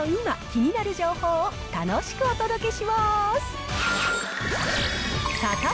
気になる情報を楽しくお届けします。